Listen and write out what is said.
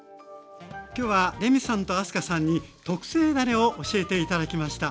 きょうはレミさんと明日香さんに特製だれを教えて頂きました。